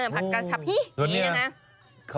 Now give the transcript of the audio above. ผักกระชับฮี้นี้นะคะ